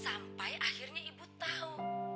sampai akhirnya ibu tahu